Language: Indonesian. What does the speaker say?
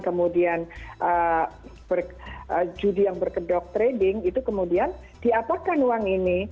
kemudian judi yang berkedok trading itu kemudian diapakan uang ini